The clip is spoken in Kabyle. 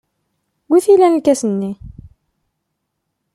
Wi t-ilan lkas-nni?